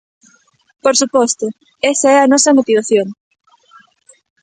Por suposto, esa é a nosa motivación.